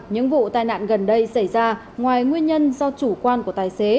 những vụ tai nạn gần đây xảy ra ngoài nguyên nhân do chủ quan của tài xế